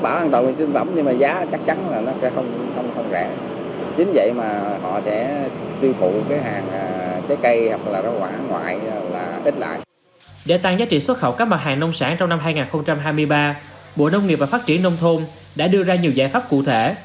bộ nông nghiệp và phát triển nông thôn đã đưa ra nhiều giải pháp cụ thể